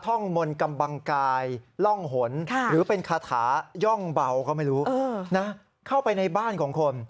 ท่องมนต์กำบังกายล่องหนหรือเป็นคาถาย่องเบาก็ไม่รู้นะเข้าไปในบ้านของคน